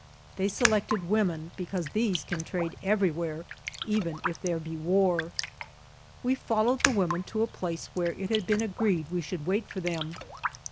They selected women because these can trade everywhere, even if there be war. We followed the women to a place where it had been agreed we should wait for them.